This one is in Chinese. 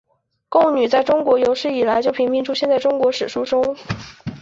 贡女在中国有史以来就频频出现在中国史书中。